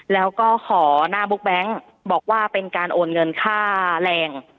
แล้วก็ขอหน้าบุ๊กแบงค์บอกว่าเป็นการโอนเงินค่าแรง